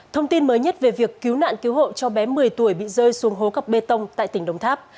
thông tin mới nhất về việc cứu nạn cứu hộ cho bé một mươi tuổi bị rơi xuống hố cập bê tông tại tỉnh đồng tháp